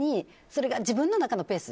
それが自分の中のペース。